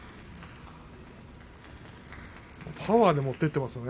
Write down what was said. パワーで持っていっていますね